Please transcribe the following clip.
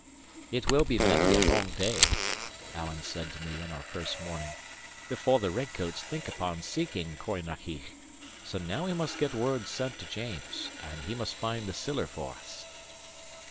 "It will be many a long day," Alan said to me on our first morning, "before the red coats think upon seeking Corrynakiegh; so now we must get word sent to James, and he must find the siller for us."